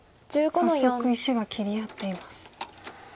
早速石が切り合っています。